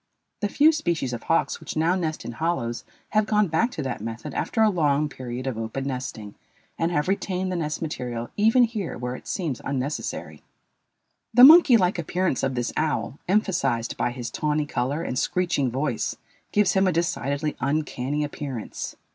The few species of hawks which now nest in hollows have gone back to that method after a long period of open nesting and have retained the nest material even here where it seems unnecessary. The monkey like appearance of this owl, emphasized by his tawny color and screeching voice, gives him a decidedly uncanny appearance.